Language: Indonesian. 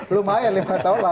lumayan lima tahun